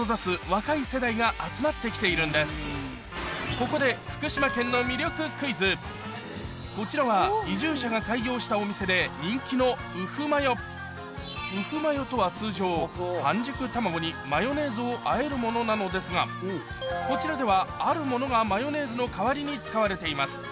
ここでこちらは移住者が開業したお店で人気のウフマヨとは通常半熟卵にマヨネーズをあえるものなのですがこちらではあるものがマヨネーズの代わりに使われています